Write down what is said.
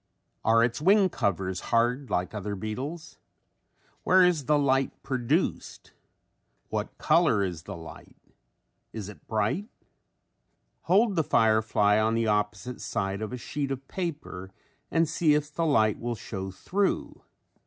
Are its wing covers hard like other beetles? Where is the light produced? What color is the light? Is it bright? Hold the firefly on the opposite side of a sheet of paper and see if the light will show through.